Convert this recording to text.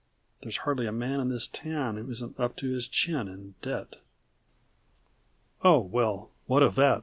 There's hardly a man in this town that isn't up to his chin in debt." "Oh, well, what of that?"